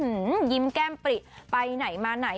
หืมมยิมแก้มปลิไปไหนมานมาย่นะคะ